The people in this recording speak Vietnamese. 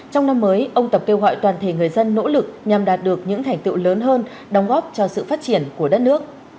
trong năm mới ông tập kêu gọi toàn thể người dân nỗ lực nhằm đạt được những thành tựu lớn hơn đóng góp cho sự phát triển của đất nước